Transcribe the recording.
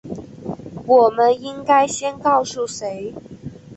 我们应该先告诉谁？